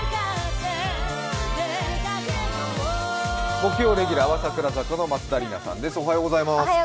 木曜レギュラーは櫻坂の松田里奈さんです。